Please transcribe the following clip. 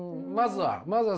まずは。